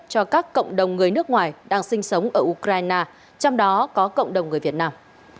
cho các cộng đồng người nước ngoài đang sinh sống ở ukraine trong đó có cộng đồng người việt nam